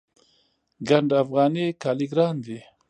ګنډ افغاني کالي ګران دي